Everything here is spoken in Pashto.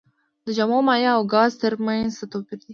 د جامد مایع او ګاز ترمنځ څه توپیر دی.